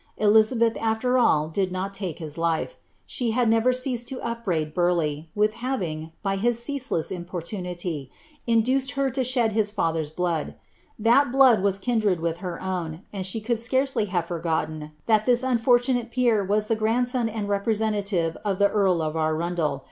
Elizabeth, after all. dill not lake hie life. She bad never ceased to upbraid Burleigli, villi having, by his ceaseless itiiporluniiy, induced her to shed his father's blood — ibal blood which was kindred with her own, and abe could scarcely have rorgotten iliat tliia uofortuDoic peer was the grandson tmJ rcprescnialive of an earl of Arundel.